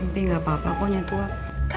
bi gak apa apa kok nyentuh aku